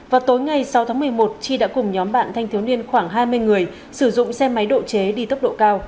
vào tối ngày sáu tháng một mươi một chi đã cùng nhóm bạn thanh thiếu niên khoảng hai mươi người sử dụng xe máy độ chế đi tốc độ cao